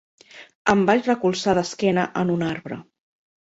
Em vaig recolzar d'esquena en un arbre.